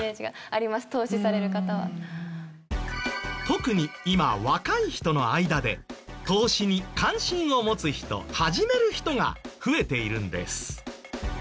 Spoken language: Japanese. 特に今若い人の間で投資に関心を持つ人始める人が増えているんです。